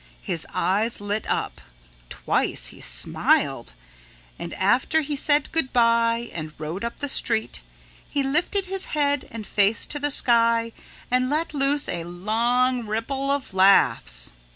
His eyes lit up. Twice he smiled. And after he said good by and rode up the street, he lifted his head and face to the sky and let loose a long ripple of laughs.